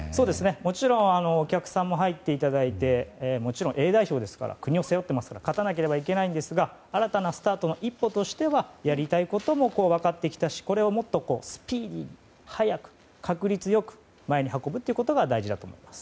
もちろんお客さんも入っていただいてＡ代表ですから国を背負っていますから勝たないといけないですが新たなスタートの一歩としてはやりたいことも分かってきたしこれをもっとスピーディーに確率良く前に運ぶということが大事だと思います。